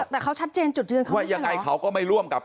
แต่เขาชัดเจนจุดเรือนเขาไม่ใช่หรอว่าอย่างไรเขาก็ไม่ร่วมกับ